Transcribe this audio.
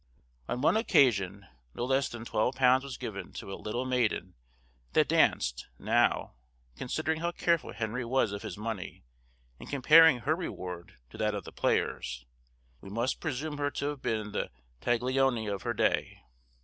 On one occasion no less than £12. was given to a little maiden that danced: now, considering how careful Henry was of his money, and comparing her reward to that of the players, we must presume her to have been the Taglioni of her day.